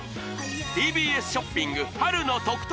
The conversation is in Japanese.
ＴＢＳショッピング春の得々！